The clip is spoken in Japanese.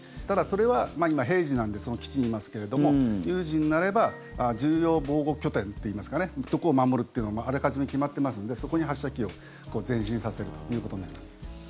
ただ、これは今、平時なのでその基地にいますけれども有事になれば重要防護拠点といいますかどこを守るっていうのもあらかじめ決まっていますのでそこに発射機を前進させるということになります。